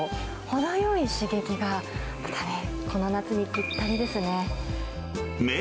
程よい刺激がまたね、この夏にぴったりですね。